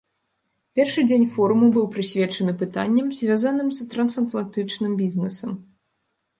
Першы дзень форуму быў прысвечаны пытанням, звязаным з трансатлантычным бізнесам.